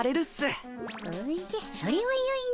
おじゃそれはよいの。